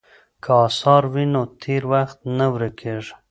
که اثار وي نو تېر وخت نه ورکیږي.